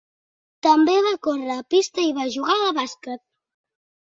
També va córrer a pista i va jugar a bàsquet.